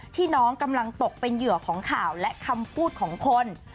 ที่น้องกำลังตกเป็นเหยื่อของข่าวและคำพูดของคน